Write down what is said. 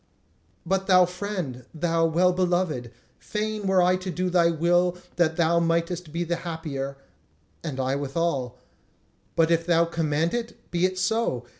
But thou friend, thou well beloved, fain were I to do thy will that thou mightest be the happier...and I withal. And if thou command it, be it so!